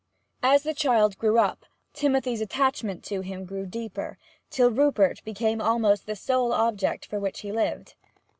As the child grew up, Timothy's attachment to him grew deeper, till Rupert became almost the sole object for which he lived.